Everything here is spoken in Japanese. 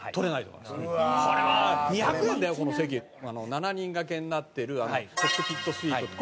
７人がけになってるコックピットスイート。